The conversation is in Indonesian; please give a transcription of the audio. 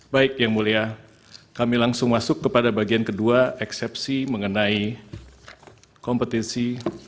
baik yang mulia kami langsung masuk kepada bagian kedua eksepsi mengenai kompetisi